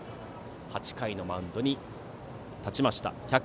８回のマウンドに立ちました。